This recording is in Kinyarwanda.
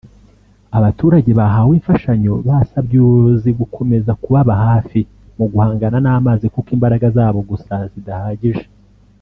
Abaturage bahawe imfashanyo basabye ubuyobozi gukomeza kubaba hafi mu guhangana n’amazi kuko imbaraga zabo gusa zidahagije